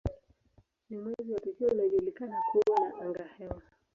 Ni mwezi wa pekee unaojulikana kuwa na angahewa.